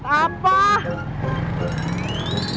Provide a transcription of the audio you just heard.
saya pengkhianat apa